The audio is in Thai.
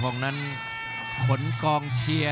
และอัพพิวัตรสอสมนึก